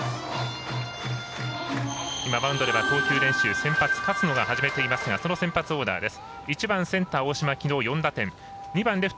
マウンドでは投球練習を先発、勝野が始めていますがその先発オーダーです。